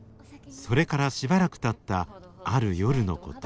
それからしばらくたったある夜のこと。